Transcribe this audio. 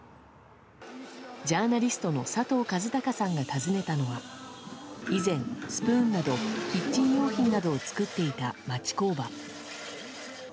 ジャーナリストの佐藤和孝さんが訪ねたのは以前、スプーンなどキッチン用品などを作っていた町工場。